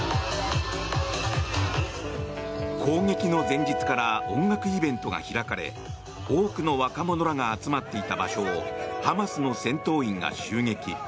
攻撃の前日から音楽イベントが開かれ多くの若者らが集まっていた場所をハマスの戦闘員が襲撃。